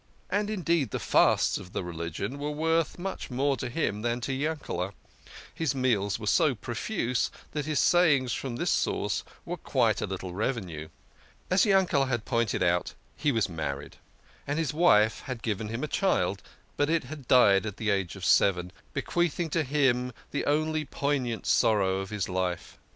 And, indeed, the fasts of the religion were worth much more to him than to Yankele' ; his meals were so profuse that his savings from this source were quite a little revenue. As Yankele' had pointed out, he was married. And his wife had given him a child, but it died at the age of seven, bequeathing to him the only poignant sorrow of his life.